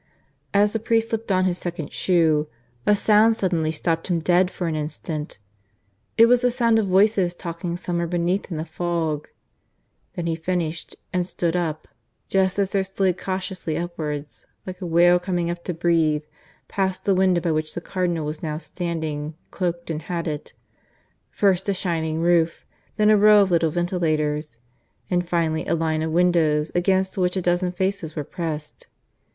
As the priest slipped on his second shoe, a sound suddenly stopped him dead for an instant. It was the sound of voices talking somewhere beneath in the fog. Then he finished, and stood up, just as there slid cautiously upwards, like a whale coming up to breathe, past the window by which the Cardinal was now standing cloaked and hatted, first a shining roof, then a row of little ventilators, and finally a line of windows against which a dozen faces were pressed.